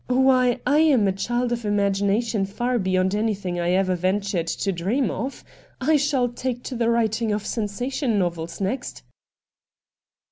Why, I am a child of imagination far beyond anything I ever ventured to dream of. I shall take to the writing of sensation novels next.'